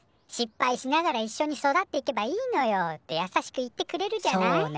失敗しながらいっしょに育っていけばいいのよ」ってやさしく言ってくれるじゃない？